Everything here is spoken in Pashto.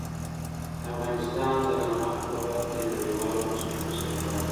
افغانستان د نمک په برخه کې نړیوالو بنسټونو سره کار کوي.